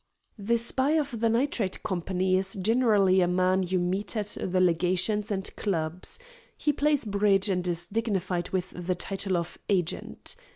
The spy of the Nitrate Company is generally a man you meet at the legations and clubs. He plays bridge and is dignified with the title of "agent."